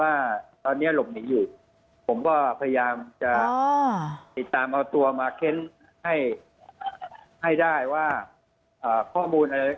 ว่าตอนนี้หลบหนีอยู่ผมก็พยายามจะติดตามเอาตัวมาเค้นให้ให้ได้ว่าข้อมูลอะไร